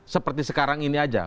seperti sekarang ini saja